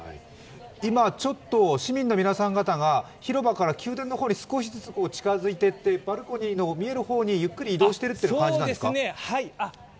今、市民の皆さん方が広場から宮殿の方に少しずつ近づいていってバルコニーの見える方にゆっくり移動しているという感じなんですか？